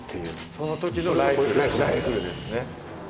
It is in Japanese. その時のライフルですね。